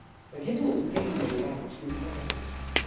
The giving of pain may have two causes.